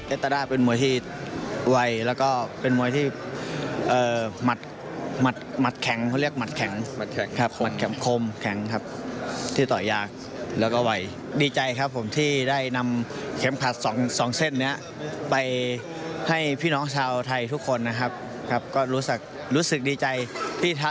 เอกตาด้าเป็นมวยที่ไวและมวยที่มัดแข็งค่ะที่ต่อยากและก็ไวดีใจครับที่ได้นำเข็มขัด๒เส้นไปให้พี่น้องชาวไทยทุกคนนะครับก็รู้สึกดีใจ